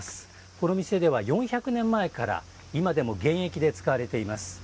この店では４００年前から今でも現役で使われています。